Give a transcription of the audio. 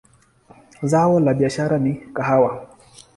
Zao la biashara ni kahawa.